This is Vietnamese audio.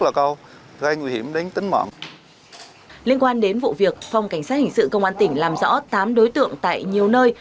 liên quan đến vụ việc phòng cảnh sát hình sự công an tỉnh làm rõ tám đối tượng tại nhiều nơi